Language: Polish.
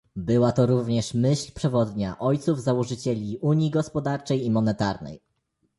Była to również myśl przewodnia ojców założycieli Unii Gospodarczej i Monetarnej